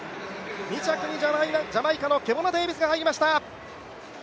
２着にジャマイカのケボナ・デービスが入りました。